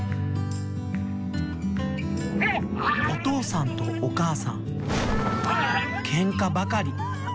おとうさんとおかあさんケンカばかり。